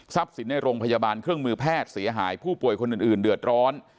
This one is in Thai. สินในโรงพยาบาลเครื่องมือแพทย์เสียหายผู้ป่วยคนอื่นเดือดร้อน